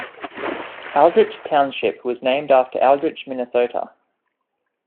Aldrich Township was named after Aldrich, Minnesota.